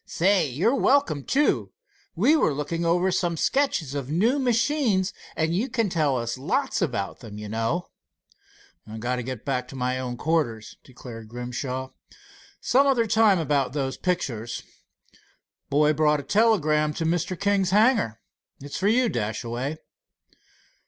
"Say, you're welcome, too. We were looking over some sketches of new machines, and you can tell us lots about them, you know." "Got to get back to my own quarters," declared Grimshaw. "Some other time about those pictures. Boy brought a telegram to Mr. King's hangar. It's for you, Dashaway."